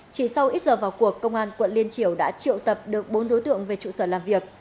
chỉ sau ít giờ vào cuộc công an quận liên triểu đã triệu tập được bốn đối tượng về trụ sở làm việc